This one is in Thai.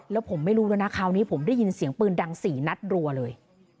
แล้วผมไม่รู้แล้วนะคราวนี้ผมได้ยินเสียงปืนดัง๔นัดรัวเลย